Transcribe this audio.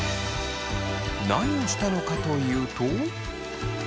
何をしたのかというと。